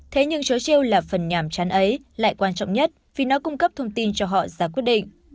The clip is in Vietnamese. thế nhưng chối treo là phần nhàm chán ấy lại quan trọng nhất vì nó cung cấp thông tin cho họ ra quyết định